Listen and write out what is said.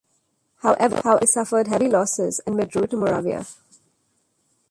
However, they suffered heavy losses and withdrew to Moravia.